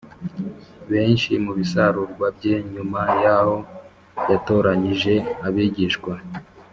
benshi mu bisarurwa bye Nyuma yaho yatoranyije abigishwa